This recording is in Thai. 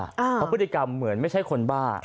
เพราะพฤติกรรมเหมือนไม่ใช่คนบ้า